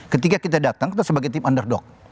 ketika kita datang kita sebagai tim underdog